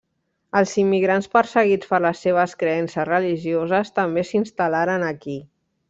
Els immigrants perseguits per les seves creences religioses també s'instal·laren aquí.